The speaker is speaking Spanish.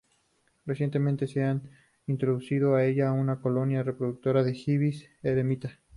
Recientemente se han introducido en ella una colonia reproductora de ibis eremita.